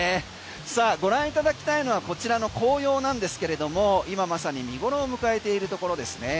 さあご覧いただきたいのはこちらの紅葉なんですけれども今まさに見頃を迎えているところですね。